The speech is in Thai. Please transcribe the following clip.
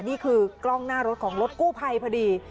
นี่คือกล้องหน้ารถของรถกู้ภัยพอดี